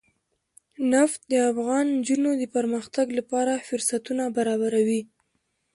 نفت د افغان نجونو د پرمختګ لپاره فرصتونه برابروي.